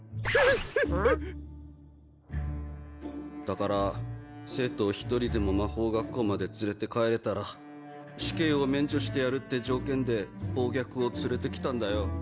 ううっだから生徒を１人でも魔法学校まで連れて帰れたら死刑を免除してやるって条件で暴虐を連れてきたんだよ